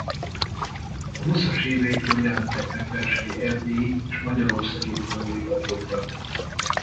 A húszas éveitől jelentek meg versei erdélyi és magyarországi folyóiratokban.